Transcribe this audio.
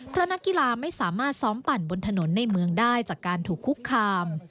เพราะนักกีฬาไม่สามารถซ้อมปั่นบนถนนในเมืองได้จากการถูกคุกคาม